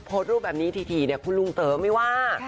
โพสต์รูปแบบนี้ทีคุณลุงเต๋อไม่ว่า